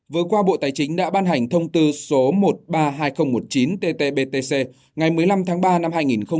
vừa qua bộ tài chính đã ban hành thông tư số một trăm ba mươi hai nghìn một mươi chín ttbtc ngày một mươi năm tháng ba năm hai nghìn một mươi chín